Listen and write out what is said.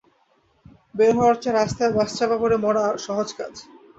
বের হওয়ার চেয়ে রাস্তায় বাস চাপা পড়া আরো সহজ কাজ।